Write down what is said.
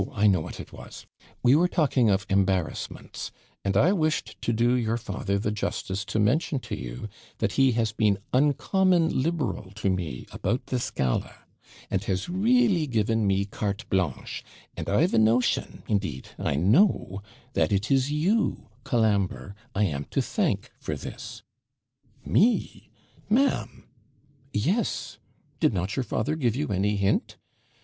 I know what it was we were talking of embarrassments and I wished to do your father the justice to mention to you that he has been UNCOMMON LIBERAL to me about this gala, and has REELLY given me carte blanche; and I've a notion indeed I know that it is you, Colambre, I am to thank for this.' 'Me! ma'am!' 'Yes! Did not your father give you any hint?'